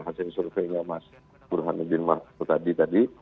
hasil surveinya mas burhanuddin mahfuz tadi